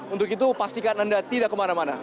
untuk itu pastikan anda tidak kemana mana